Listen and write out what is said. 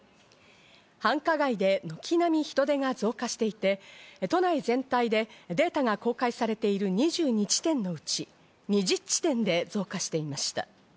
繁華街で軒並み人出が増加していて都内全体でデータが公開されている２２地点のうち２０地点で増加していました。